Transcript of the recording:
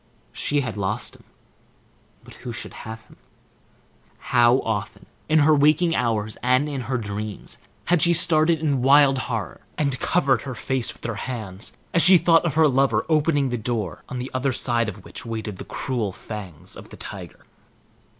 She had lost him, but who should have him? How often, in her waking hours and in her dreams, had she started in wild horror, and covered her face with her hands as she thought of her lover opening the door on the other side of which waited the cruel fangs of the tiger!